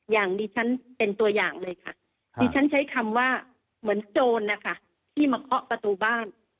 อย่างดิฉันเป็นตัวอย่างเลยค่ะดิฉันใช้คำว่าเหมือนโจรนะคะที่มาเคาะประตูบ้าน